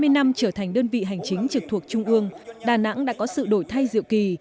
hai mươi năm trở thành đơn vị hành chính trực thuộc trung ương đà nẵng đã có sự đổi thay diệu kỳ